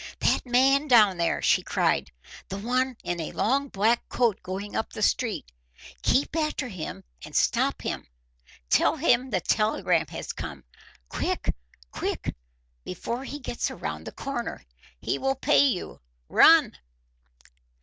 "That man down there!" she cried; "the one in a long black coat going up the street. Keep after him and stop him; tell him the telegram has come. Quick, quick, before he gets around the corner! He will pay you; run!"